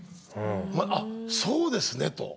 「あっそうですね」と。